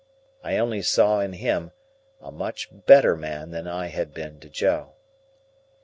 I only saw in him a much better man than I had been to Joe.